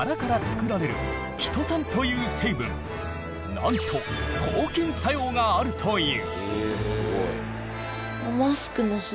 なんと抗菌作用があるという。